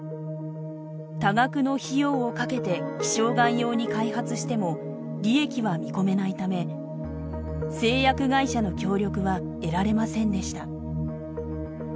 多額の費用をかけて希少がん用に開発しても利益は見込めないため製薬会社の協力は得られませんでした。